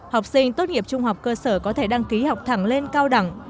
học sinh tốt nghiệp trung học cơ sở có thể đăng ký học thẳng lên cao đẳng